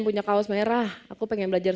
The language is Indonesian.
punya kaos merah aku pengen belajar